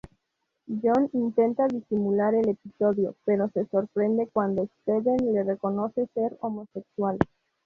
John intenta disimular el episodio, pero se sorprende cuando Steven le reconoce ser homosexual.